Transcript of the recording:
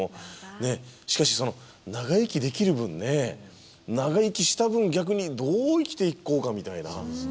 ねっしかしその長生きできる分ね長生きした分逆にどう生きていこうかみたいな。